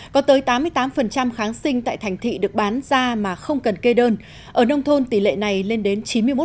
có tới tám mươi tám kháng sinh tại thành thị được bán ra mà không cần kê đơn ở nông thôn tỷ lệ này lên đến chín mươi một